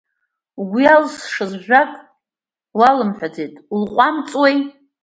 Угәы иалсшаз ажәак уалымҳәаӡеит, улҟәамҵуеи!